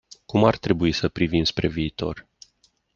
Cum ar trebui să privim spre viitor?